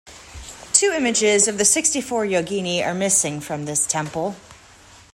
Two images of the Sixty-four Yogini are missing from this temple.